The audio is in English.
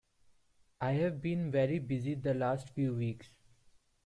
I've been very busy the last few weeks.